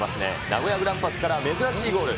名古屋グランパスから珍しいゴール。